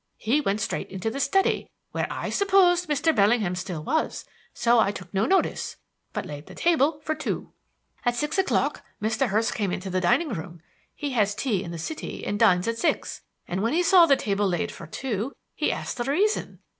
He went straight into the study where I supposed Mr. Bellingham still was, so I took no notice, but laid the table for two. At six o'clock Mr. Hurst came into the dining room he has tea in the City and dines at six and when he saw the table laid for two he asked the reason.